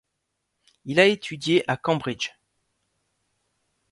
Il a étudié à Cambridge.